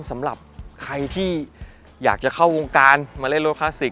สำหรับใครที่อยากจะเข้าวงการมาเล่นโลคลาสสิก